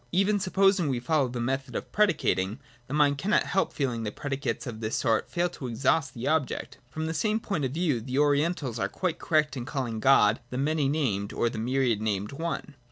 Even supposing we follow the method of predicating, the mind cannot help feeling that predicates of this sort fail to exhaust the object. From the same point of view the Orientals are quite correct in calling God the many named or the myriad named One.